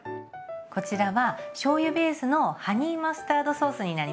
こちらはしょうゆベースのハニーマスタードソースになります。